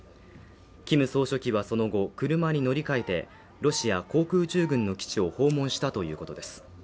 キム総書記はその後、車に乗り換えてロシア航空宇宙軍の基地を訪問したということです